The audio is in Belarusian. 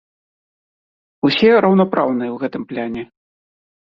Усе раўнапраўныя ў гэтым плане.